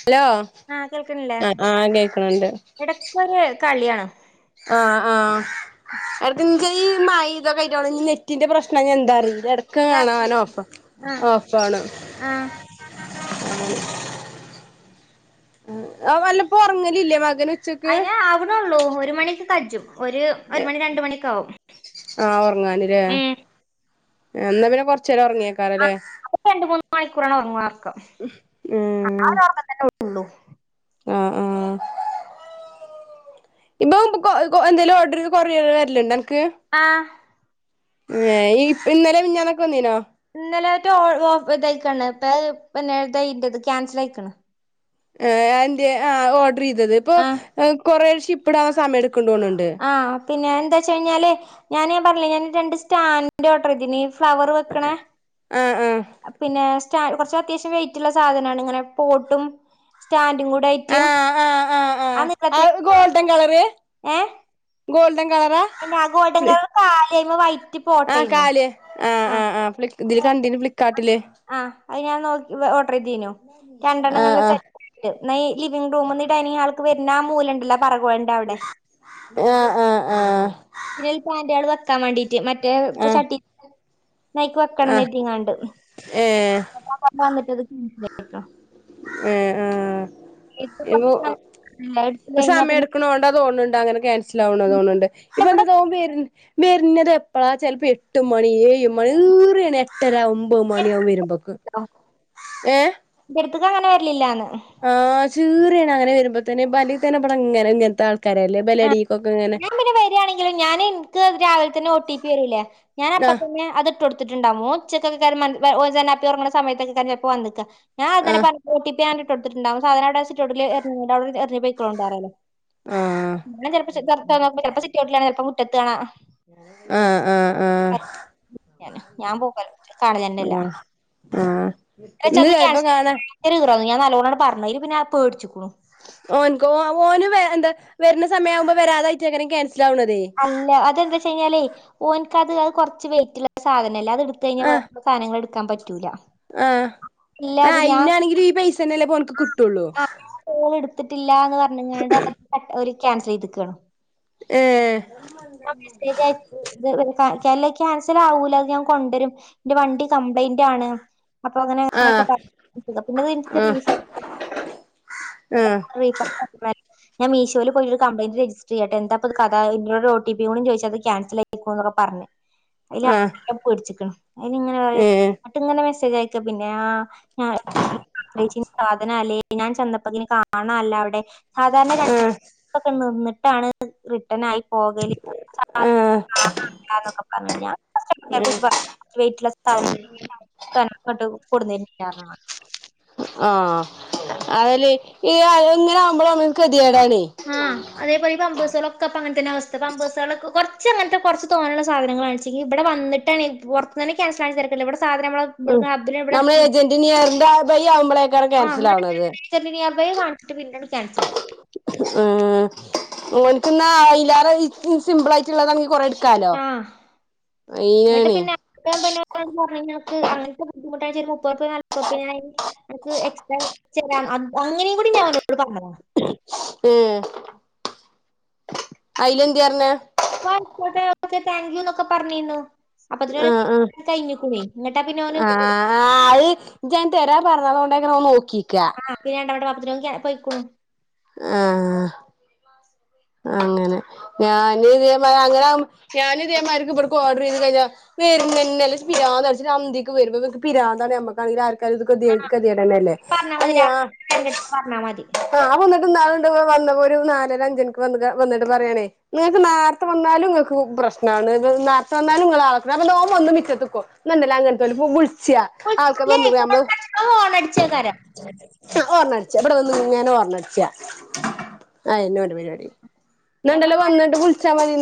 Hello ആഹ് കേൾക്കണില്ലേ ആ ആഹ് കേൾക്കണണ്ട് ഇടക്കൊരു കളിയാണ് ആഹ് ആഹ് എടക്ക് [unintelligible] മഴിംദൊക്കേയ്ട്ടാണ് ഈ നെറ്റിന്റെ പ്രശ്നംഞ്ഞെന്താറിയില്ല ഇടക്ക് കാണാങ്ങനെഓഫാ ആഹ് ഓഫാണ് ആഹ് അങ്ങനെ ആ ആഹ് വല്ലപ്പോഒറ്ങ്ങലില്ലേ മക്ക അയ്ന് ആവ്ണൊള്ളൂ ഒരു മണിഒക്കെകജും ഒരു ഒരു മണി രണ്ടു മണിഒക്കെ ആവും ഉം ഏ ന്നാപിന്നെ കുറച്ചു നേരം ഉറങ്ങിയേക്കാരല്ലേ ആഹ് അപ്പൊ രണ്ട് മൂന്ന് മണിക്കൂറാണ് ഉറക്കത്തിന്റെ ആ [unintelligible] തന്നെ ഉള്ളു അ ആ ഇപ്പൊ മ് പ്പം കൊ എന്തേലും ഓർഡർ കൊറിയർ വാരല്ണ്ടോന്ക്ക് ആഹ് ഏ ഇന്നലെ മിനിഞ്ഞാന്നൊക്കെ വന്നിനാ ഇന്നലേത്തെ ഓ ഓഫ് ഇതായ്ക്കാണ് പ്പെ പിന്നെ ഇതായിൻ്റെത് ക്യാൻസൽയിക്കണ് എന്റെ ആ ഓർഡർ ചെയ്തത് ഇപ്പൊ ആഹ് കുറേ ഷിപ്പിഡ് അവൻ സമയം എടുക്കും കൊണ്ടു പോണണ്ട് ആഹ് പിന്നെ എന്താ വെച്ച കഴിഞ്ഞാല് ഞാൻ പറഞ്ഞിലെ ഞാൻ രണ്ട് സ്റ്റാൻഡ ഓർഡർ ചെയ്തിന് ഫ്ലവർ വെക്കണ ആഹ് ആഹ് പിന്നെ [unintelligible] കുറച്ച് അത്യാവശ്യം വെയ്റ്റുള്ളള്ള സാധനാണ് ഇങ്ങനെ പോട്ടും സ്റ്റാൻഡ് കൂടയിട്ട് ആഹ് ആഹ് ആഹ് ആ ആഹ് നി ഗോൾഡൻ [unintelligible] കളറ് ഏ ഗോൾഡൻ കളറാ അ്ന്നെ ആ ഗോൾഡൻ ഫ്ലി കളർ കാല് അയ്മെ വൈറ്റ് ആഹ് പോട്ടേന്നു കാല് ആഹ് ആ ആ ഫ്ലിക്ക് ഇതില് കണ്ടിന് ഫ്ലിപ്കാർട്ടില് അ് ഞാൻ നോക്കി [unintelligible] [unintelligible] ചെയ്തീനു ആഹ് രണ്ടെണ്ണംങ്ങനെല്ല ആഹ് സെറ്റായിട്ട് ന്നാ ഈ ലിവിംഗ് റൂമിന്ന് ഈ ഡൈനിംഗ്ഹാള്ക്ക് വര്ന്ന ആ മൂലണ്ടല്ല ആഹ് ആഹ് ആ [unintelligible] പ്ലാൻ്റാള് വെക്കാൻ മാണ്ടീട്ട് മറ്റേ ഇപ്പൊ ആഹ് ചട്ടി ഇഞ്ഞയ്ക്ക് ആഹ് വെക്കണംന്നെര്ദികാണ്ട് ഏഹ് മ് [unintelligible] വന്നിട്ടത് [unintelligible] ഏ ആ എടുത്ത് ഇപ്പം കഴിഞ്ഞാ സമയം പിന്നെ ഇട്ക്ക്ണോണ്ടാ തോണണ്ട് അങ്ങനെ ക്യാൻസൽ ആണ് തോന്നുണ്ട് ഇപ്പൊ ഇവിടെ എന്താ തോ ഒൻവര്ണ് വര്ണത് എപ്പളാ ചെലപ്പോ എട്ട് മണി ഏഴ് മണി [unintelligible] എട്ടര ഒൻമ്പത് മണിയാവും വരമ്പോക്ക് ഏ ട്തുക്ക് അങ്ങനെ വര്ലില്ലാന്ന് ആ ചീറേണ് അങ്ങനെ വരുമ്പോ തന്നെ ബലി തന്നെട ഇങ്ങനെ ഇങ്ങനത്തെ ആൾക്കാ ആ ഞാൻ പിന്നെ വരിയാണെങ്കിലും ഞാൻ എനിക്ക് രാവിലെ തന്നെ ഒ ടി പി വരല്ലേ ഞാൻ അപ്പ ആഹ് തന്നെ അത്ട്ട് കൊടുത്ത് കൊടുത്തിട്ടുണ്ടാകും ഓൻ ഉച്ചക്കൊക്കെയ്ക്കാരം [unintelligible] ജെന്നാപ്പി ഒർങ്ങ്ണെ സയത്തൊക്കെയ്ക്കാരം ചെൽപ്പം വന്ന്ക്ക ഞാ അങ്ങന്നെ ആഹ് പല [unintelligible] ഓ ടി പി ആണ്ട്ഇട്ടൊട്ത്ത്ട്ട്ണ്ടാവും [unintelligible] സാധനവിടെ സിറ്റൗട്ടിൽ എിറ്ഞ്ഞാട അവ്ടെ എറ്ഞ്ഞ് പൊയിക്കളോണ്ട്പറ്യലാ ആഹ് ഇവ്ടെ ചെലപ്പോ [unintelligible] ചിലപ്പോ സിറ്റൗട്ടില്കാണ ചിലപ്പം മുറ്റത്ത് കാണാ ആഹ ആഹ ഉഹ ഞാന് ഞാൻ പോക്കാലെന്നെല്ല കാണലെന്നെല്ല ആഹ് ആഹ് ഇന്ന് ഏന്താച്ചാത് ചെലപ്പോ ക്യാൻസലായത്ച്ച് കാണാ ഭയങ്കര ഈറായ്ണാ ഞാൻ നല്ലോണാണ്ട് പറഞ്ഞ് അയ്ല് പിന്നെ ആ പേടിച്ചുക്കുണു ഓന്ക്ക് ഓ ഓന് വ എന്താ വര്ണ സമയവുമ്പോ വരാതായിട്ട് എങ്ങനിം ക്യാൻസൽ ആവണതേ അല്ല അതെന്താ വെച്ച് കഴിഞ്ഞാലേ ഓനക്ക് അത് അത് കുറച്ച് വെയിറ്റുള്ള സാധനം അല്ലേ അത് എടുത്ത് കഴിഞ്ഞൽ വേറെ സധങ്ങൾ എക്കാൻ പറ്റൂല ആ് ഇല്ല ആ അത് ഞാൻ അയിനാണെങ്കിലും ഈ പൈസന്നെല്ലെപ്പോന്ക്ക് കിട്ടൊള്ളു ത്തിട്ടില്ലാന്ന് പറഞ്ഞ്ങ്ങാണ്ട് അത് [unintelligible] ഓല് ക്യാൻസൽ ചെയ്ത്ക്കാണ് ഏഹ് ആ മെസ്സേജ് അയക്ക് ത് [unintelligible] കേല്ല ക്യാൻസൽ ആവൂല അത് ഞാൻ കൊണ്ടരും എന്റെ വണ്ടി കംപ്ലൈന്റാണ് അപ്പൊ അങ്ങനെ അങ്ങനെയൊക്കെ ആഹ് പറ പിന്നെത് എനിക്ക് ആഹ് റീഫണ്ട് ആഹ് റീഫ ഞാൻ മീഷോയിൽ പോയിട്ട്രു കംപ്ലയിന്റ് രജിസ്റ്റർ ചെയ്യട്ടെ എന്താ കഥ ഇ ഒടിപും ചോച്ച അത് ക്യാൻസൽയിക്കോ എന്നൊക്കെ പറഞ്ഞഞ് ആഹ് അതി പേടിച്ചിക്കണം അങ്ങനെ ഏഹ് ഇങ്ങെ ക്ക പിന്നെ ആ സാധന അല്ലേ ഞാൻ ചന്തപ്പകെ കാണല്ല അവിടെ സാധാരണ ആഹ് രണ്ടായിരൊക്കെ നിന്നിട്ടാണ് റിട്ടേൺ ആയി പോകല് ആഹ് കാക്കെ പറഞ്ഞ ഞാൻ കുറിച്ച് പറഞ്ഞ വീട്ടില സ്ഥനം കനക്കോട്ട് കൊടണ്ടല്ലാന്നു പറഞ്ഞ് ആഹ അതല്ലേ അ എങ്ങനെ ആവുമ്പോൾ നമ്മതിയാ ആഹ അതേപോലെ അമ്പസ പ്പ അങ്ങനത്തെന്നെ അവസ്ഥ പമ്പേ്സുകൾ കുറച്ച് അങ്ങനത്തെ കുറച്ച് തോന്നാനുള്ള സാധനങ്ങളാണ് വെ ഇവിടെ വന്നിട്ടാണ് ന യാൻസല തേർക്കേ ഇവിടെ സാധന നമ്മ ഉം ഇ അബ് ഇവിടെ എത്തി ആമ്പോഴേക്കാണ് കാൻസൽവുന്നത് നിയർ ബൈ കാണിച്ചിട്ട് പിന്നങ്ങട് ക്യാൻസലാകും. ആ ഓൻക്ക് എന്ന സിമ്പിൾ ആയിട്ടുള്ളതങ്കി കൊറ എടുക്കാലോ ഇങ്ങിട്ട് അയിനാണേ പിന്നെ പറ അങ്ങ ബുദ്ധമട്ട് ഒരു മുപ്പറപ്പ നാപ്പറപ്പ എക്സ്രാേരാം അങ്ങനേ കൂടി ഞാ ആ ഉം അയില എന്ത് പറഞ്ഞ ആക്കോട്ടെ ഓക്കെ താങ്ക്യൂ എന്നൊക്കെ പറഞ്ഞിന്നു ആഹ പിന്നെ ഓന് ആ ആ അത് ഞാൻ തരാ പറഞ്ഞതണ്ട് നോക്കി ആഹ പിന്നെ രണ്ടവമ്മടെ പാപ്പത്തിന ന പോയിക്കണു ആ....... അങ്ങനെ ഞാൻ ഇത അങ്ങനെ ഞാൻ ഇതേമാരിക്കും ഇവിടക്കും ഓർഡർ ചെയ്ത് കഴിഞ്ഞ വ [unintelligible] സന്ധ്യക്ക് വരും ഞാൻ ചോദിച്ച് പിരാന്താണ് നമ്മക്ക് ആണെങ്കിൽ ടല്ലേ പറഞ്ഞാ മതി അയ്യ രാത്രി തെരഞ്ഞെടുത്ത് പറഞ്ഞാ മതി. ആ വന്നപ്പോ ഒരു നാല അഞ്ചക്ക് വന്നിട്ട് പറയണേ നിങ്ങൾക്ക് നേരത്തെ വന്നാലും ക്ക് പ്രശ്ന നേരത്തെ വന്നാലും നിൾള നോ ഓൻ വന്ന് മുറ്റത്ത് നിക്കും നണ്ടല്ല അങ്ങനത്തെച്ച ശ ആൾക്കാ വിളിച്ചില്ലേ വന്ന പോ ഫോൺ നമ്മള അടിച്ചപ്പോ ഫോൺ അടിച്ചേക്കാരം. ഓർണൽ എവിടെ വന്ന് ഞഞ്ഞടിച്ച ആ എന്നോ പരിപാടിണ്ടല്ലോ ഞമ്മള് വന്നിട്ട് വിളിച്ചാ മതി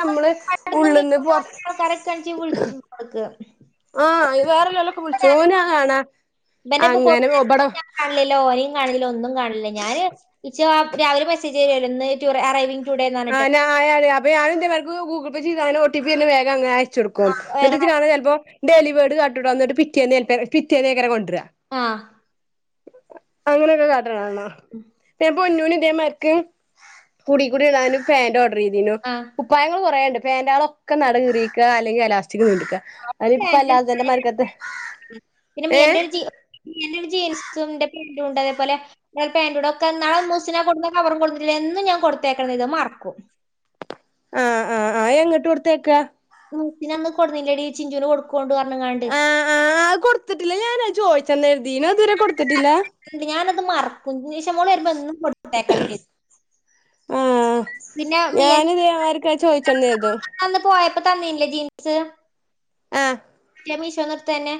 നമ്മള് പന്ന് മ ഉള്ളിന്ന് പൊർ ആൾക്കാരൊക്കെണ വിളിച്ചു കൊടുക്കുക ആഹ് വേറെല്ലല്ലൊക്കെ വിളിച്ചു ഓനാ കാണാ അങ്ങനെ ഇബടെ പിന്നെപ്പടുൻ കാണല്ലോ അ ഒന്നും കാണില്ല ഞാന് രാവിലെ മെസ്സേജ് ചെയ്ലേ ഇന്ന് [inaudible] ആാ ആ അപ്പ ഞാന എർക്ക് ഗൂഗിൾ പേ ചെയ്ത ഒ ടി പിന്നെ വേഗ അനെ ചു കൊടുക്കും എന്നിട്ട് കാ ചിലപ്പോ ടെലിവേഡ് കാട്ടുടോ എന്നിട്ട് പിറ്റേ പിറ്റേക്കെ കൊണ്ടുവരാ ആ അങ്ങനെയൊക്കെ കാട്ടണണോ പ്പൊ ഒന്നോ മർക്ക് കുട കൂടി ഇടാനും പാന്റ് ഓർഡർ ചെയ്തുന് ആ കുപ്പായങ്ങൾ കുറയണ്ട് പാൻ്റ്ളൊക്കെ നടകീറീരിക്കുക അല്ലെങ്കിൽ ക്ക അതിപ്പ അല്ലാതെന്റെ മരക്കത്തെ ഏ ഞൻ ഒരു ജീൻസന്റെ ഉണ്ട്‌ അതേപോലെ പാന്റുകൾ ഒക്കെ ഇന്നാൾ അമ്മുസിനു കൊണ്ടുവന്ന കവറും കൊടുത്തിട്ടില്ല എന്നും ഞാൻ കൊടുത്തേക്കുന്നത് ഇത് മറക്കും ആ ആ ആ എങ്ങോട്ട് കൊടുത്തേക്കാ മുത്തിനാന്ന് കൊണ്ടുവന്നില്ലെടി ചിഞ്ചുന് കൊടുക്കും ആഹ് ആഹ് അത് കൊടുത്തിട്ടില്ലാ ഞാനത് ചോദിച്ചന്ന് കരുതിനാ അത് ഇതുവരെ കൊടുത്തിട്ടില്ല [unintelligible] മറക്കും [unintelligible] മോൾ വരുമ്പോ എന്നും കൊടുതേക്കണന്ന് വിചാരിക്കും ആഹ് പിന്നെ മിയ ഞാന് ഇതേമാരിക്ക് അത് ചോയിച്ചന്ന് കരുതും [inaudible] പോയപ്പ തന്നിനില്ലേ ജീൻസ് ആഹ് മീഷോ ന്ന് എടുത്തന്നെ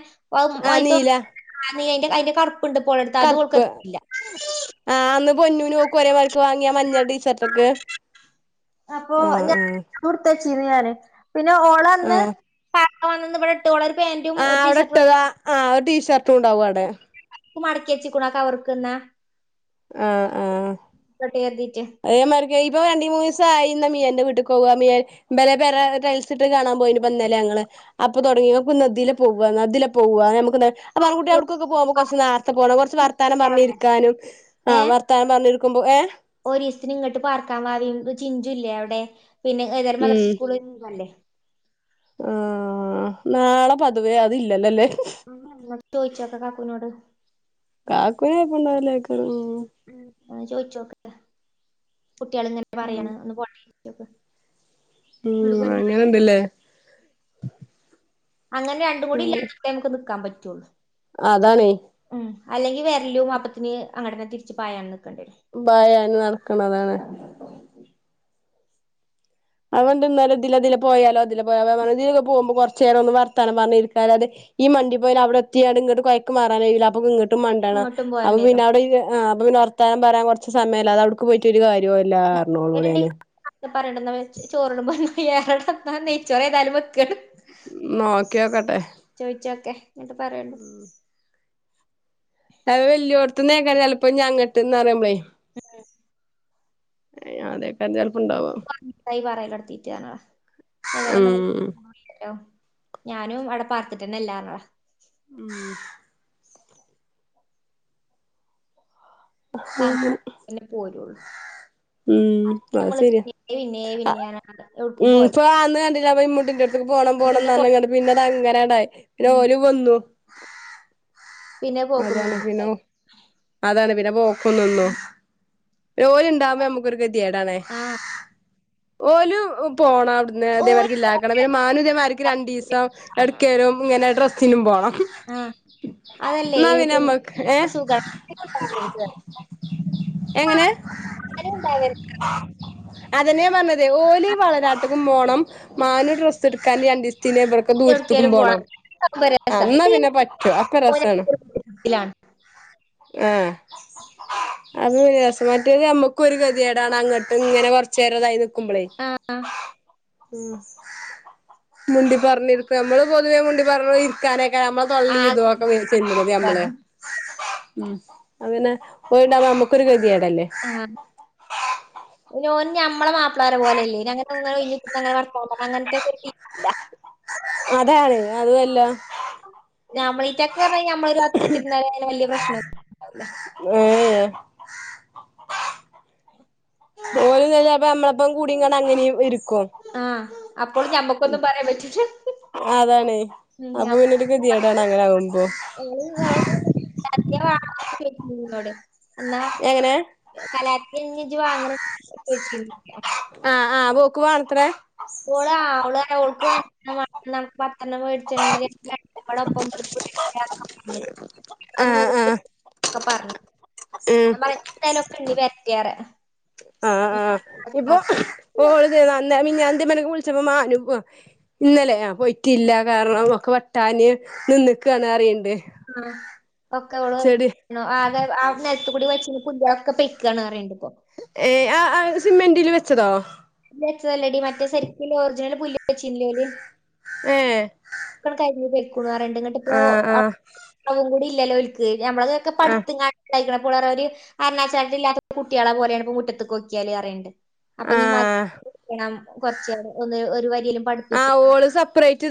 ആഹ് നീല [unintelligible] അയിൻ്റെ കറുപ്പ് ണ്ട് പ്പോളെടുത്ത് അതും ഓള് [unintelligible] ഇല്ല പൊന്നുനും ഓക്കും ഒരേ മാര്ക്ക്‌ വാങ്ങിയാ മഞ്ഞ ടീഷർട്ട്ക്ക് ആഹ് ആഹ് ച്ചിനി ഞാന് പിന്നെ ഓളന്ന് ആഹ് [unintelligible] പാന്റും ആഹ് ഒരു അവിടെ ഇട്ടത് ടീഷർട്ടും ആഹ് ഒരു ടീഷർട്ടും ഉണ്ടാവും അവിടെ ഒക്കെ മടക്കി വെച്ചുക്കുണു ആ കവറ്ക്ക് തന്നെ ആഹ് ആഹ് കരുതിയിട്ട് അതേ മാതിരി [unintelligible] രണ്ട് മൂന്നിസം ആയി ഇന്ന് മിയാന്റെ വീട്ടിക്ക് പോകുവാ മിയ [unintelligible] ടൈൽസ് ഇട്ടെ കാണാൻ പോയി ഇപ്പ ഇന്നലെ [unintelligible] അപ്പൊ തൊടങ്ങി നമ്മക്ക് ഇതിലെ പോവാ ന്നാഇതിലെ പോവാ നമ്മക്ക്ന്നാ അപ്പൊ ആൺകുട്ടികൾക്കൊക്കെ പോകുമ്പോ കുറച്ച് നേരത്തെ പോകണം കുറച്ച് വർത്താനം പറഞ്ഞിരിക്കാനും ആഹ് വർത്താനം പറഞ്ഞിരി ക്കുമ്പോ ഏഹ്? ഒരിസത്തിന് ഇങ്ങോട്ട് പാർക്കാൻ വാടി ചിഞ്ചു ഇല്ലേ അവിടെ? പിന്നെ ഏതായാലും മദ്രസ ഉം സ്കൂളീൽ [unintelligible] ആഹ് നാളെ പതുവേ അത് ഇല്ലല്ല അല്ലെ ആഹ് മ്മ്ക് ചോയിച്ചു നോക്കാം കാക്കുനോട്. കാക്കുനിപ്പോ [unintelligible] ഉം ഒന്ന് ചോദിച്ചു നോക്കട്ടെ കുട്ടികൾ ഇങ്ങനെ ഉം പറയണ് ഒന്ന് പോട്ടേ ക്ക്യപ്പ് ഉം അങ്ങനെയുണ്ട് ല്ലേ? അങ്ങനെ രണ്ടും കൂടി ഇല്ലാത്തപ്പെ നമുക്ക് നിക്കന് പറ്റുള്ളൂ. അതാണെ അല്ലെങ്കി വേരലും അപ്പേത്തെന് അങ്ങട്ടന്നെ തിരിച്ച് പായാണ് ഭയാണ് നടക്കണതാണ്. അതൊണ്ട് എന്നാലും ഇതിൽ അതില് പോയാലോ അതില് പോയാലും ഇതിലൊ പോകുമ്പോ കുറച്ചു നേരം ഒന്ന് വർത്തനം പറഞ്ഞിരിക്കാനതേ ഈ മണ്ടി പോയിൽ അവിടെ എത്തിയാട് ഇങ്ങോട്ട് കൊയക്ക് മാറാന് കഴിയൂല അപ്പൊ ഇങ്ങട്ട് മണ്ടണം ഇങ്ങോട്ടും അപ്പൊ പോരേണ്ടി വരും പിന്നെ അവിടെ അ അപ്പൊ പിന്നെ വർത്താനം പറയാൻ കുറച്ച് സമയല്ലെ അത് അവിടുക്ക് പോയിട്ട് ഒരു കാര്യോ ഉള്ള കാർണുകൂടെയാന്ന് പറയണ്ടന്ന് വെച്ച് ചോറുണ്ണുബോ ഇയാടെന്തായാലും നെയ്ച്ചോറ് ഏതാലും വെക്കാണ് മാ കേക്കാട്ടെ ചോയിച്ചോക്കെ എന്നിട്ട് പറയണ്ട് അത് വല്യോടത് ന് എങ്ങനെ ചെലപ്പം ഞാങ്ങട്ടന്ന് പറമ്പളെ അയ്യോ അതെക്കാ ചെല ആയി പറയിലെട്ത് തീറ്റ ആണോ ഏതായാലുംവന്ന് ഉം [unintelligible] ഞാനും അവിടെ പാർത്തിട്ടന്നേ ഇല്ലാ പറഞ്ഞതാ ഉം അഹ് പിന്നെ പോരുള്ളു ഉമ് അത് ശരിയാ പിന്നെ പിന്നെ ആഹ് എവിടക്കും ഉമ് പോയി സ്പാ അന്ന് കണ്ടില്ല [unintelligible] ട്ടന്റെടുത്ത്ക്ക് പോണം പോണം പിന്നെ പോ പറഞ്ഞങ്ങട്ട് പിന്നെത് അങ്ങനെടായി പിന്നെ ഉം ഓരും വന്നു പിന്നെ പോക്കു അതാണ് പിന്നെ നിന്നുല്ലേ അതാണ് പിന്നെ പോക്കും നിന്നു ജോലി ഇണ്ടാമ്പോ നമുക്കൊരു യേടാണ് ആ ഓലും പോണം അവിടുന്ന് അതേമാതിരി [unintelligible] ഓര് ആർക്ക് ഇല്ലാക്കണം പിന്നെ മാനു ഇതേപോലെ രണ്ടീസം എടുക്കരും ഇങ്ങനെ ഡ്രസ്സിനും പോണം ആ അതല്ലേ ന്നാ പിന്നെ പിന്നെമ്മക്ക് സുഖം എങ്ങനെ ആരും ഉണ്ടാവരുത് അതെന്നെയാ പറഞ്ഞതെ ഓലി ആ വളനാട്ട്ക്കും പോണം മാനു ഡ്രസ്സെടുക്കാൻ രണ്ടീസ് എവിടക്കേലും പോണം ആഹ് എന്നാ പിന്നെ പറ്റും അപ്പൊ രസാണ് [unintelligible] ആഹ് അത് [unintelligible] മറ്റേത് നമ്മക്കും ഒരു ഗതിയേടാണ് അങ്ങോട്ടും ഇങ്ങനെ കൊറച്ചു നേരായി നിക്കുമ്പളേ ഉം മുണ്ടി പറഞ്ഞിരിക്കാ നമ്മള് പൊതുവേ മുണ്ടി പറഞ്ഞു ഇരിക്കാനൊക്കെ [unintelligible] നമ്മളെ തൊള്ളേം ഇതുവൊക്കെ [unintelligible] നമ്മള് ആകാണ് ഉം അങ്ങനെ പോയിണ്ടാവുമ്പോ നമ്മുക്കൊരു ഗതിയേടാ ആഹ് ഇനി ഓൻ ഞമ്മളെ മാപ്പിളമാരെ പോലെയല്ലേനി അങ്ങനെ ഒന്നും വെല്ല്യ [unintelligible] വർത്താനം പറഞ്ഞ് അങ്ങനത്തെ ഒരു [unintelligible] അതാണ് അതുവല്ലാ നമ്മൾ ഈറ്റക്ക് പറഞ്ഞ് നമ്മളൊരു ഭാഗത്ത് കുത്തിരുന്ന വല്ല്യ പ്രശ്നൊന്നും ഉണ്ടാവൂല്ല ഏഹ് ഓല് [unintelligible] നമ്മളപ്പം കൂടീങ്ങാണ്ട് അങ്ങനെയും ഇരിക്കും ആഹ് അപ്പോളും ഞമ്മക്കൊന്നും പറയാൻ പറ്റില്ല ആ അതാണ് ഉം അപ്പൊ ഞമ്മ പിന്നൊരു ഗതിയേടാണ് അങ്ങനെ ആകുമ്പോ [unintelligible] എന്നോട് അന്നാ എങ്ങനെ കല [unintelligible] [unintelligible] ആഹ് ആഹ് അപ്പോ ഓക്ക് വേണത്രേ അപ്പോ ഓള് ആ ഓള് പറഞ്ഞ് ഓൾക്ക് [unintelligible] പത്തെണ്ണം മേടിച്ചണെങ്കിൽ ആഹ് ആഹ് [unintelligible] അ ഉം ഞാൻ പറയാ എന്തായാലും ഒക്കെ എണ്ണി വെരട്ടേ [unintelligible] ആഹ് ആഹ് ഇപ്പൊ ഓള് [unintelligible] ഞാന് [unintelligible] മാനു ആ ഇന്നലെ ആ പോയിട്ടില്ല കാരണം ആക്കൊ വെട്ടാന് നിന്ന്ക്കാ [unintelligible] ആ ഒക്കെ ഓള് ആ [unintelligible] കൂടി [unintelligible] ഒക്കെ പെയ്ക്കാണ് പറയ്ണ്ട്പ്പോ ഏ ആ ആ സിമെന്റിൽ വെച്ചതോ [unintelligible] ച്ചതല്ലടി മറ്റേ [unintelligible] ഒറിജിനൽ പുല്ലി വെച്ചില്ലേ അയില് ഏഹ് ക്കെണ് കരിഞ്ഞ് പൊയ്ക്കണൂ പറേന്ന്ണ്ട് ഇന്നട്ട് ഇപ്പോ ആഹ് ആഹ് അതും കൂടി ഇല്ലല്ലോ ഓൽക്ക് ഞമ്മളതൊക്കെ ആഹ് പടുത്തുങ്ങാണ്ട് ഇണ്ടായിക്കണപ്പോ ഓള് പറയാ ഒരു അരഞ്ഞാചരട് ഇല്ലാത്ത കുട്ടികളെ പോലെയാണ്പ്പോ മുറ്റത്തേക്ക് നോക്കിയാല് പറയണണ്ട് അഈ ആഹ ണം കൊറച്ച ഒന്ന് ഒരു വരിലും പഠിപ്പിച്ച ആഹ് ഓള് സെപ്പറേറ്റ്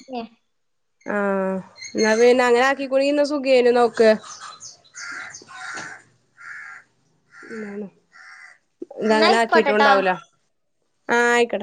[unintelligible] ആഹ എന്നാ പിന്നെ അങ്ങനെ ആക്കിക്കൂണ ഇന്ന് സുഖേനു നോക്ക് [inaudible] ഇതങ്ങനെ ആക്കിട്ടും എന്നായിക്കോട്ടെട്ടോ ഇണ്ടാവൂല ആഹ ആയിക്കട